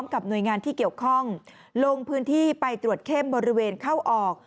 กับหน่วยงานที่เกี่ยวข้องลงพื้นที่ไปตรวจเข้มบริเวณเข้าออก